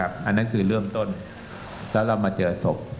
อันนั้นคือเริ่มต้นแล้วเรามาเจอศพ